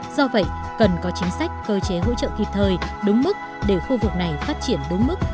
do vậy cần có chính sách cơ chế hỗ trợ kịp thời đúng mức để khu vực này phát triển đúng mức